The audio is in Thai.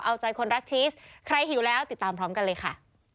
เอาใจคนรักชีสใครหิวแล้วติดตามพร้อมกันเลยค่ะ